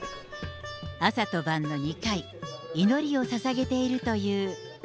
朝と晩の２回、祈りをささげているという。